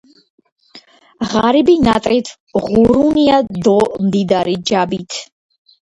ღარიბი ნატრით ღურუნია დო მდიდარი – ჯაბით.